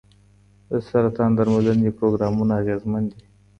د سرطان درملنې پروګرامونه اغېزمن دي.